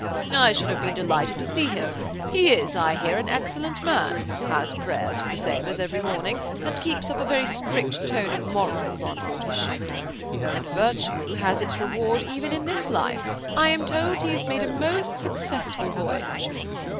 "I should have been delighted to see him. He is, I hear, an excellent man, has prayers for the sailors every morning, and keeps up a very strict tone of morals on board his ships. And virtue has its reward even in this life–I am told he has made a most successful voyage.